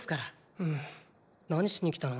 うん何しに来たの。